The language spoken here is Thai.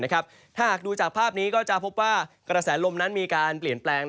ถ้าหากดูจากภาพนี้ก็จะพบว่ากระแสลมนั้นมีการเปลี่ยนแปลง